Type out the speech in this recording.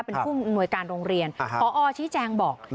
เป็นผู้หน่วยการโรงเรียนออชิแจงบอก